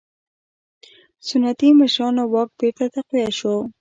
سنتي مشرانو واک بېرته تقویه شو.